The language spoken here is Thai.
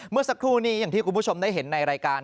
เมื่อสักครู่นี้อย่างที่คุณผู้ชมได้เห็นในรายการ